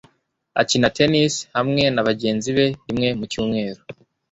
Akina tennis hamwe nabagenzi be rimwe mu cyumweru.